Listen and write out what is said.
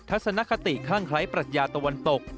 ทศนคติข้างคล้ายปรัชญาตะวันตก